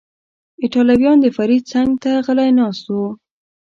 ایټالویان، د فرید څنګ ته غلی ناست و.